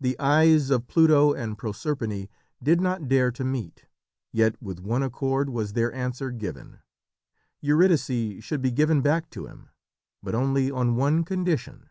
The eyes of Pluto and Proserpine did not dare to meet, yet with one accord was their answer given. Eurydice should be given back to him, but only on one condition.